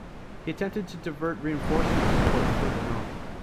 He attempted to divert reinforcements to ports further north.